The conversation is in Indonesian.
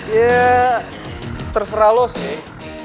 ya terserah lo sih